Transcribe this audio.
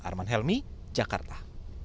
arman helmi jakarta